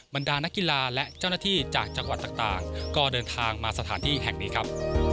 บรรดานักกีฬาและเจ้าหน้าที่จากจังหวัดต่างก็เดินทางมาสถานที่แห่งนี้ครับ